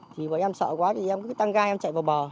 thì bọn em sợ quá thì em cứ tăng ga em chạy vào bờ